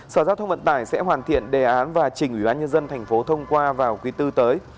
sở giao thông vận tải sẽ hoàn thiện đề án và chỉnh ủy ban nhân dân tp hcm thông qua vào quý bốn tới